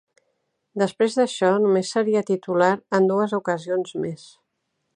Després d'això, només seria titular en dues ocasions més.